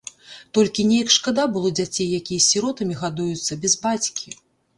Толькі неяк шкада было дзяцей, якія сіротамі гадуюцца, без бацькі.